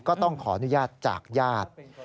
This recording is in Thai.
ก็ต้องขออนุญาตจากญาติ